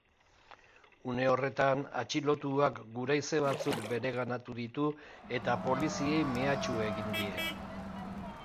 Une horretan, atxilotuak guraize batzuk bereganatu ditu eta poliziei mehatxu egin die.